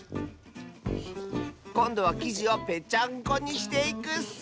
こんどはきじをぺちゃんこにしていくッス！